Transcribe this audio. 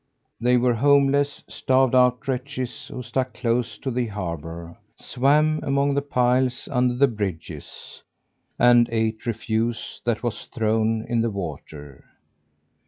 They were homeless, starved out wretches who stuck close to the harbour, swam among the piles under the bridges, and ate refuse that was thrown in the water.